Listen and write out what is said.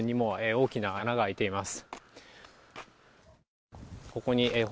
大きな穴が開いています。